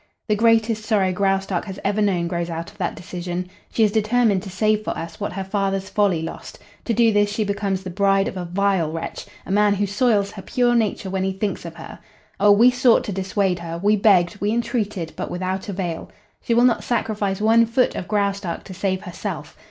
"The greatest sorrow Graustark has ever known grows out of that decision. She is determined to save for us what her father's folly lost. To do this she becomes the bride of a vile wretch, a man who soils her pure nature when he thinks of her. Oh, we sought to dissuade her, we begged, we entreated, but without avail. She will not sacrifice one foot of Graustark to save herself.